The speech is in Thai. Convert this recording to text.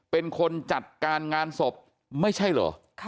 เป็นคนจัดการงานศพไม่ใช่เหรอ